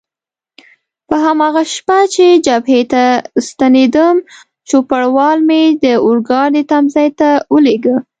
په هماغه شپه چې جبهې ته ستنېدم، چوپړوال مې د اورګاډي تمځای ته ولېږه.